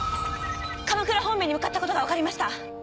鎌倉方面に向かったことが分かりました！